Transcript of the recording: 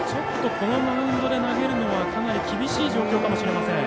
このマウンドで投げるのはかなり厳しい状況かもしれません。